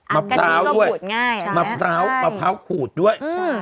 มะพร้าวด้วยมะพร้าวกะพร้าวขูดด้วยใช่มะพร้าวกะพร้าวขูดด้วย